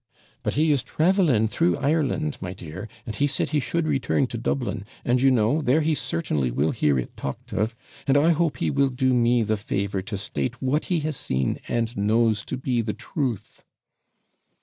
But he is travelling through Ireland, my dear, and he said he should return to Dublin, and, you know, there he certainly will hear it talked of; and I hope he will do me the favour to state what he has seen and knows to be the truth.'